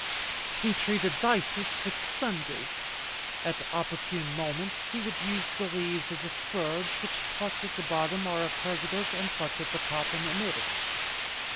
He treated phthisis with the sundew; at opportune moments he would use the leaves of the spurge, which plucked at the bottom are a purgative and plucked at the top, an emetic.